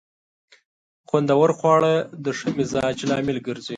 خوندور خواړه د ښه مزاج لامل ګرځي.